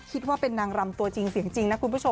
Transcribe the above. คิดว่าเป็นนางรำตัวจริงนะคุณผู้ชม